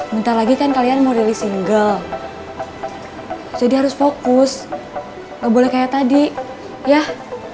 bentar lagi kan kalian mau rilis single jadi harus fokus gak boleh kayak tadi ya